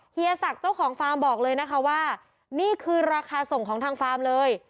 เฮียศักดิ์เจ้าของฟาร์มบอกเลยนะคะว่านี่คือราคาส่งของทางฟาร์มเลย